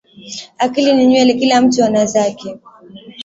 Akili ni nywele kila mtu ana zake